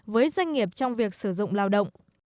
với doanh nghiệp trong việc sử dụng lao động